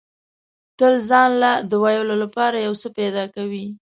تل ځان له د ویلو لپاره یو څه پیدا کوي.